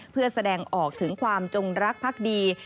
เพื่อแสดงออกถึงความจงรักพักดี